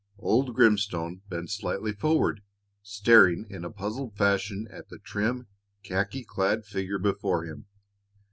Old Grimstone bent slightly forward, staring in a puzzled fashion at the trim, khaki clad figure before him.